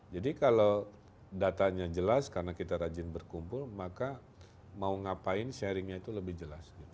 jadi kalau datanya jelas karena kita rajin berkumpul maka mau ngapain sharingnya itu lebih jelas